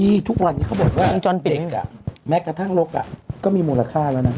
นี่ทุกวันนี้เขาบอกว่าอังจอนเป๋งแม้กระทั่งลกก็มีมูลค่าแล้วนะ